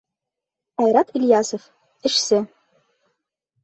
Айрат ИЛЬЯСОВ, эшсе: